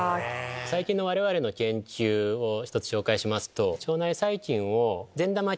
最近の我々の研究を１つ紹介しますと。